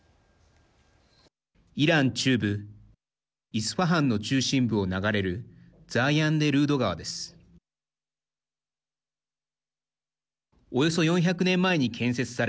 イラン中部イスファハンの中心部を流れるザーヤンデルード川です。